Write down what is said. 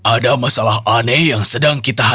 ada masalah aneh yang sedang kita hadapi